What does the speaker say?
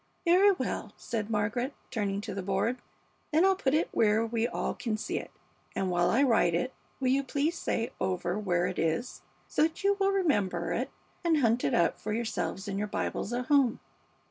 "Very well," said Margaret, turning to the board; "then I'll put it where we all can see it, and while I write it will you please say over where it is, so that you will remember it and hunt it up for yourselves in your Bibles at home?"